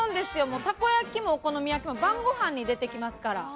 もうたこ焼きもお好み焼きも、晩ごはんに出てきますから。